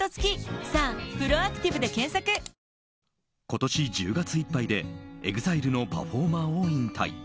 今年１０月いっぱいでＥＸＩＬＥのパフォーマーを引退。